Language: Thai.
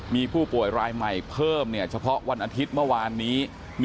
มีผู้ป่วยรายใหม่เพิ่มเฉพาะวันอาทิตย์เมื่อวานนี้